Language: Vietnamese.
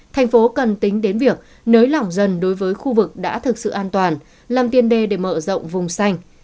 thành phố cần tính đến việc nới lỏng dần đối với khu vực đã thực sự an toàn làm tiên đề để mở rộng vùng xanh